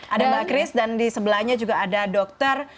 ada mbak kris dan di sebelahnya juga ada dokter